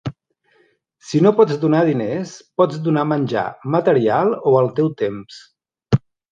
Si no pots donar diners, pots donar menjar, material o el teu temps.